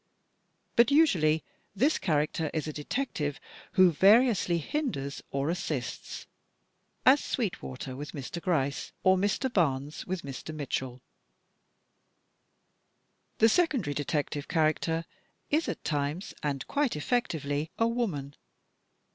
But usually this character is a detective who vari ously hinders or assists, as Sweetwater with Mr. Gryce, or Mr. Barnes with Mr. Mitchel. This secondary detective character is, at times and quite effectively, a woman.